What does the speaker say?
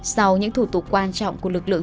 sau những thủ tục quan trọng của lực lượng